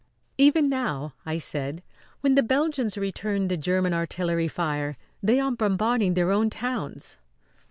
"Even now," I said, "when the Belgians return the Grerman artillery fire they are bombarding their own towns."